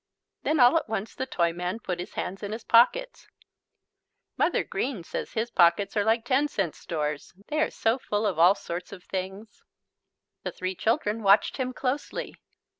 Then all at once the Toyman put his hands in his pockets. Mother Green says his pockets are like ten cent stores. They are so full of all sorts of things. The three children watched him closely.